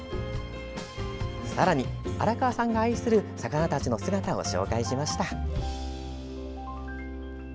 さらに、荒川さんが愛する魚たちの姿を紹介しました。